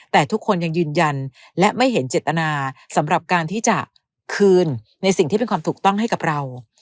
แต่ทุกคนยังยืนยันและไม่เห็นเจตนาสำหรับการที่จะคืนในสิ่งที่เป็นความถูกต้องให้กับเรา